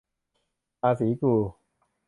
ภาษีกู